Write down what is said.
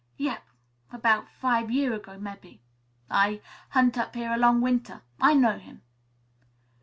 "Yep; 'bout five year ago, mebbe. I hunt up here a long winter. I know him."